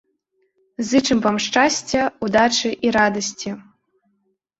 Зычым вам шчасця, удачы і радасці!